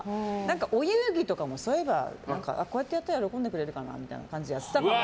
お遊戯とかもこうやってやったら喜んでくれるかなとか思いながらやっていたから。